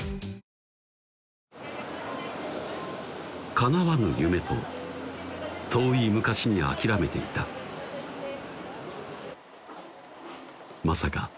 かなわぬ夢と遠い昔に諦めていたまさか